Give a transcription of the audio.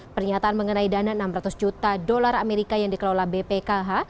pernyataan mengenai dana enam ratus juta dolar amerika yang dikelola bpkh